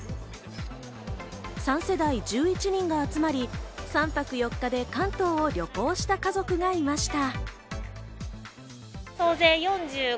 ３世代、１１人が集まり、３泊４日で関東を旅行した家族がいました。